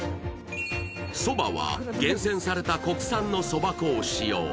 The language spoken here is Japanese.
そばは厳選された国産のそば粉を使用。